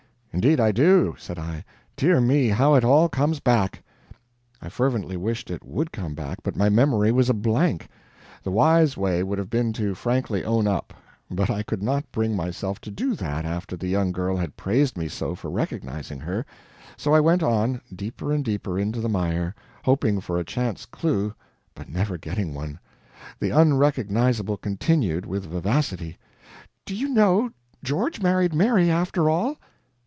"Indeed I do!" said I. "Dear me, how it all comes back!" I fervently wished it WOULD come back but my memory was a blank. The wise way would have been to frankly own up; but I could not bring myself to do that, after the young girl had praised me so for recognizing her; so I went on, deeper and deeper into the mire, hoping for a chance clue but never getting one. The Unrecognizable continued, with vivacity: "Do you know, George married Mary, after all?"